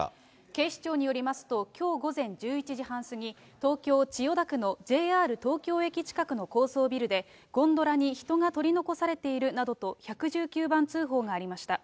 警視庁によりますと、きょう午前１１時半過ぎ、東京・千代田区のＪＲ東京駅近くの高層ビルで、ゴンドラに人が取り残されているなどと１１９番通報がありました。